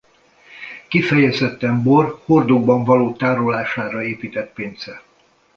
Kifejezetten bor hordókban való tárolására épített pince.